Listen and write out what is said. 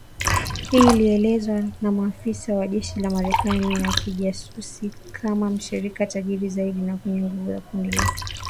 Hii ilielezewa na maafisa wa jeshi la Marekani na kijasusi kama mshirika tajiri zaidi na mwenye nguvu wa kundi la kigaidi la al Qaida